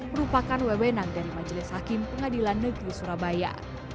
merupakan wewenang dari majelis hakim pengadilan negeri surabaya